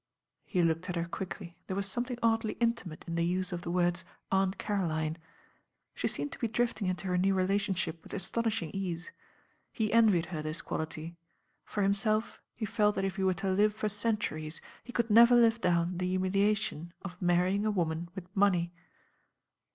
He looked at her quickly, there was something oddly intimate in the use of the words "Aunt Caro line." She seemed to be drifting into her new rela tionship with astonishing ease. He envied her this quality. For himself, he felt that if he were to live for centuries, he could never live down the humilia tion of marrying a woman with money.